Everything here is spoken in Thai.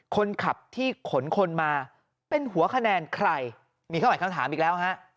คนขับที่ขนคนมาเป็นหัวคะแนนใครมีเข้าหลายคำถามอีกแล้วฮะ